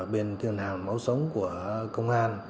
bên ngân hàng máu sống của công an